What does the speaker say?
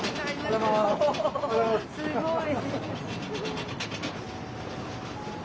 おすごい。